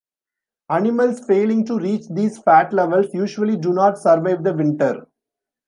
Animals failing to reach these fat levels usually do not survive the winter.